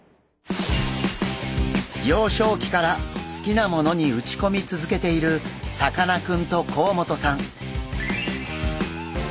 幼少期から好きなものに打ち込み続けているさかなクンと甲本さん。